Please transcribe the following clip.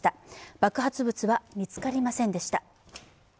爆発物は見つかりませんでした。